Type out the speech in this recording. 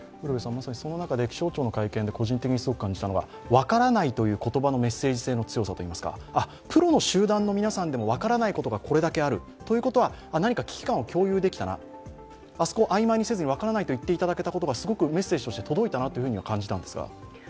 その中で気象庁の会見で個人的にすごく感じたのが「分からない」という言葉のメッセージ性の強さというかプロの集団の皆さんでも分からないことがこれだけあるということは何か危機感を共有できたな、曖昧にせずに分からないと言っていただけたことがすごくメッセージとして届いたなと感じたんですが。